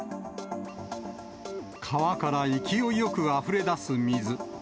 川から勢いよくあふれ出す水。